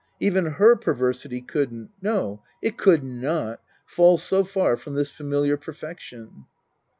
Even her perversity couldn't no, it could not fall so far from this familiar perfection."